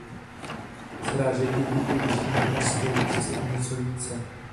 Srážek je díky vyšší nadmořské výšce o něco více.